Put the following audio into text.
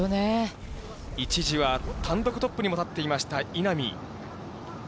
一時は単独トップにも立っていました、稲見。